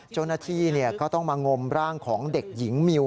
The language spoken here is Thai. เจ้าหน้าที่ก็ต้องมางมร่างของเด็กหญิงมิว